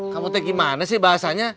kamu tuh gimana sih bahasanya